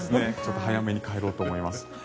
早めに帰ろうと思います。